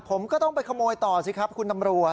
ผมก็ต้องไปขโมยต่อสิครับคุณตำรวจ